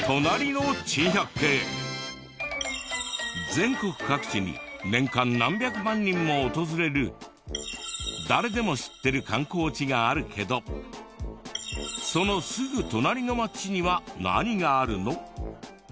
全国各地に年間何百万人も訪れる誰でも知ってる観光地があるけどそのすぐ隣の町には何があるの？